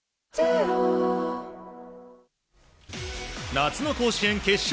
夏の甲子園決勝